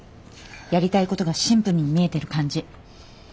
やりたいことがシンプルに見えてる感じ。